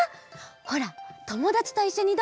ほらともだちといっしょにどう？